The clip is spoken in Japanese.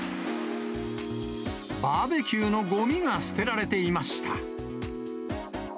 バーベキューのごみが捨てられていました。